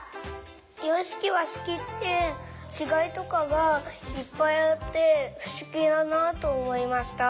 ようしきわしきってちがいとかがいっぱいあってふしぎだなとおもいました。